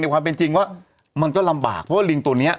ความเป็นจริงว่ามันก็ลำบากเพราะว่าลิงตัวนี้